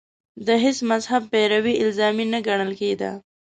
د هېڅ مذهب پیروي الزامي نه ګڼل کېده